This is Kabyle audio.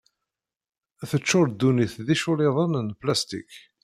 Teččur ddunit d iculliḍen n plastik.